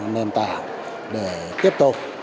nền tảng để tiếp tục